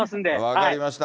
分かりました。